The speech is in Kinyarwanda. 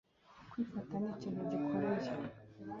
kwifata nikintu gikoreye